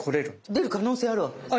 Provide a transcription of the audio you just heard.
出る可能性あるわけですね？